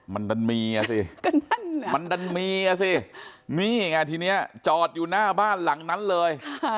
มันดันมีอ่ะสิมันดันมีอ่ะสินี่ไงทีนี้จอดอยู่หน้าบ้านหลังนั้นเลย